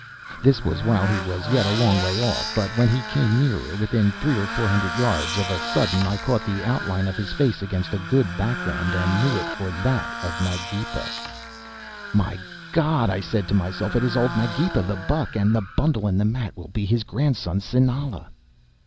"This was while he was yet a long way off, but when he came nearer, within three or four hundred yards, of a sudden I caught the outline of his face against a good background, and knew it for that of Magepa. "'My God!' I said to myself, 'it is old Magepa the Buck, and the bundle in the mat will be his grandson, Sinala!